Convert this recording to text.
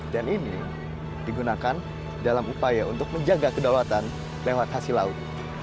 dan ini digunakan dalam upaya untuk menjaga kedaulatan lewat hasil laut